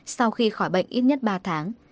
sau khi khỏi bệnh ít nhất ba tháng